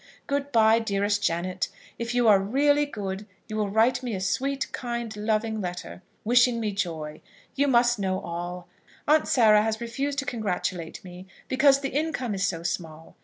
Good bye, dearest Janet. If you are really good, you will write me a sweet, kind, loving letter, wishing me joy. You must know all. Aunt Sarah has refused to congratulate me, because the income is so small.